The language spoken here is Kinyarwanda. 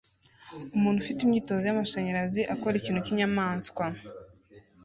Umuntu ufite imyitozo yamashanyarazi akora ikintu cyinyamanswa